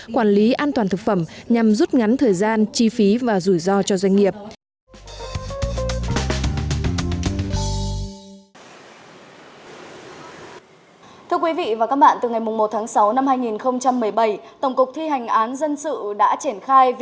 quản lý an toàn thực phẩm nhằm rút ngắn thời gian chi phí và rủi ro cho doanh nghiệp